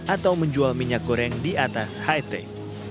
atau menjual minyak goreng di atas high tech